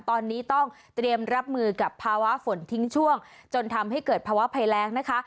ตอนนี้ต้องเตรียมรับมือกับภาวะฝนทิ้งช่วงจนทำให้เกิดภาวะภัยแรงนะคะ